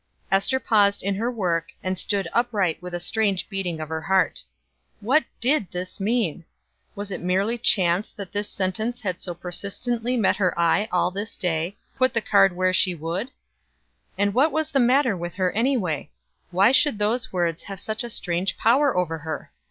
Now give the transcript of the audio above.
Ester paused in her work, and stood upright with a strange beating at her heart. What did this mean? Was it merely chance that this sentence had so persistently met her eye all this day, put the card where she would? And what was the matter with her anyway? Why should those words have such strange power over her?